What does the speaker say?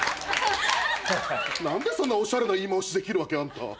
何でそんなおしゃれな言い回しできるわけ？あんた。